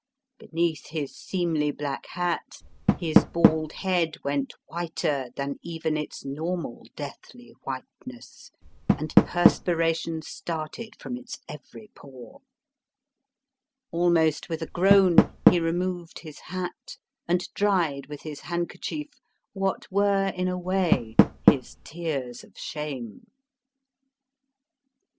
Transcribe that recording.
Beneath his seemly black hat his bald head went whiter than even its normal deathly whiteness, and perspiration started from its every pore. Almost with a groan, he removed his hat and dried with his handkerchief what were in a way his tears of shame.